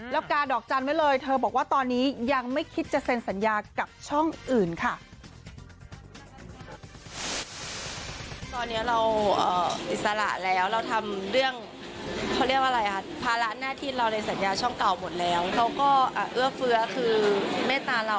แล้วกาดอกจันทร์ไว้เลยเธอบอกว่าตอนนี้ยังไม่คิดจะเซ็นสัญญากับช่องอื่นค่ะ